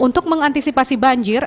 untuk mengantisipasi banjir